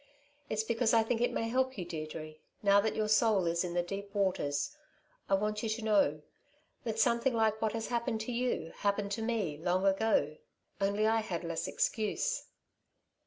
"It's because I think it may help you, Deirdre, now that your soul is in the deep waters, I want you to know ... that something like what has happened to you happened to me, long ago. Only I had less excuse."